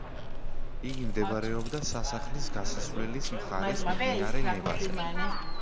იგი მდებარეობდა სასახლის გასასვლელის მხარეს მდინარე ნევაზე.